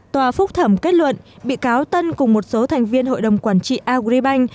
tòa phúc thẩm kết luận bị cáo tân cùng một số thành viên hội đồng quản trị agribank